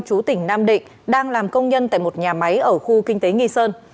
chú tỉnh nam định đang làm công nhân tại một nhà máy ở khu kinh tế nghi sơn